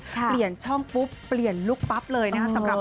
กาแหงช่องปุ๊บเปลี่ยงลูกปั๊บเลยนะสำหรับ